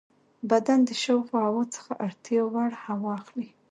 بدن د شاوخوا هوا څخه اړتیا وړ هوا اخلي.